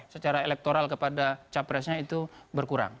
secara elektoral kepada capresnya itu berkurang